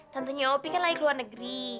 tentunya opi kan lagi ke luar negeri